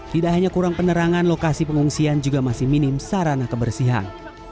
tidak hanya kurang penerangan lokasi pengungsian juga masih minim sarana kebersihan